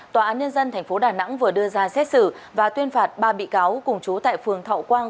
tòa án nhân dân tp đà nẵng vừa đưa ra xét xử và tuyên phạt ba bị cáo cùng chú tại phường thọ quang